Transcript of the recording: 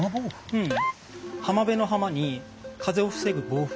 うん。